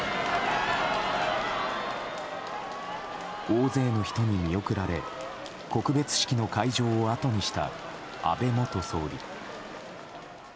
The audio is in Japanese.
大勢の人に見送られ告別式の会場を後にした安倍元総理。